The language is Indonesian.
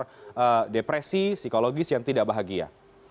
ada depresi psikologis yang tidak bahagia